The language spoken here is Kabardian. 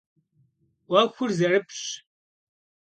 'Uexur zerıpş'ş.